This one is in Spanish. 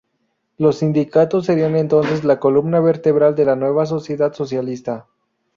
Los sindicatos serían entonces la columna vertebral de la nueva sociedad socialista.